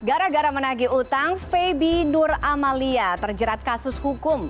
gara gara menagih utang febi nur amalia terjerat kasus hukum